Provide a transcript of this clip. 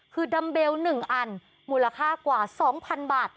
คือดัมเบลหนึ่งอันมูลค่ากว่าสองพันบาท